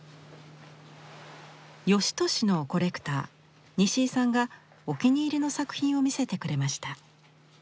芳年のコレクター西井さんがお気に入りの作品を見せてくれました。